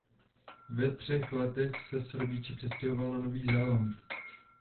Ve třech letech se s rodiči přestěhoval na Nový Zéland.